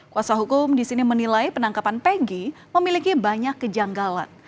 kuasa hukum di sini menilai penangkapan pg memiliki banyak kejanggalan